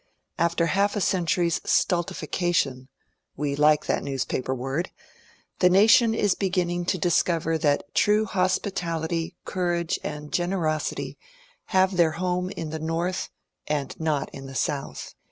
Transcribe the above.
After half a century's stultification (we like that newspaper word) the nation is beginning to discover that true hospital ity, courage, and generosity have their home in the North and not in the South.